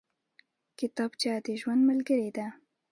کتابچه د ژوند ملګرې ده